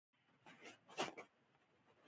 جوزیف مومو چې نږدې کس یې وو ولسمشر شو.